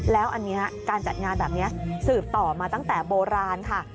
แล้วการจัดงานแบบนี้สื่อกันต่อมาตั้งแต่โบราณค่ะ